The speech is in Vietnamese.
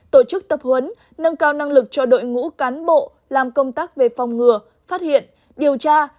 tổ chức tập huấn nâng cao năng lực cho đội ngũ cán bộ làm công tác về phòng ngừa phát hiện điều tra